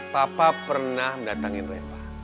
papa pernah mendatangin reva